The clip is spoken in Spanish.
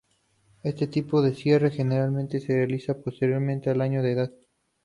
Este tipo de cierre generalmente se realiza posteriormente al año de edad.